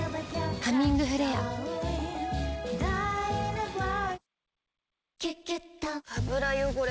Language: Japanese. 「ハミングフレア」「キュキュット」油汚れ